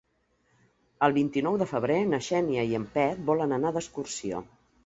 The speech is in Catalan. El vint-i-nou de febrer na Xènia i en Pep volen anar d'excursió.